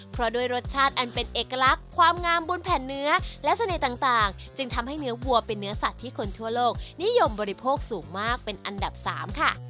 เพราะด้วยรสชาติอันเป็นเอกลักษณ์ความงามบนแผ่นเนื้อและเสน่ห์ต่างจึงทำให้เนื้อวัวเป็นเนื้อสัตว์ที่คนทั่วโลกนิยมบริโภคสูงมากเป็นอันดับ๓ค่ะ